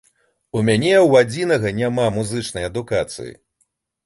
У мяне ў адзінага няма музычнай адукацыі.